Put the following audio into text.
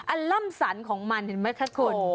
ล่ำสันของมันเห็นไหมคะคุณ